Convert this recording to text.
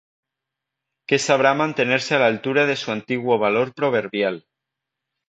que sabrá mantenerse a la altura de su antiguo valor proverbial.